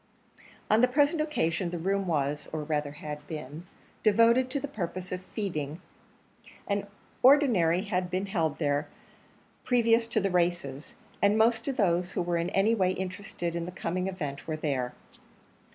On the present occasion the room was, or rather had been, devoted to the purpose of feeding; an ordinary had been held here previous to the races; and most of those who were in any way interested in the coming event were there.